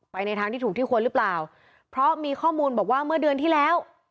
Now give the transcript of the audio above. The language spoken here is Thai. ในทางที่ถูกที่ควรหรือเปล่าเพราะมีข้อมูลบอกว่าเมื่อเดือนที่แล้ว